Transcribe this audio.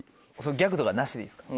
ギャグとかなしでいいですか？